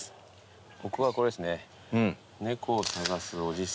僕はこれですね。